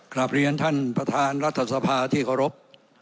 กลับเรียนท่านประธานรัฐสภาที่เคารพ